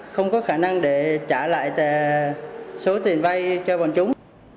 không có khả năng để trả lại số tiền vay cho bọn chúng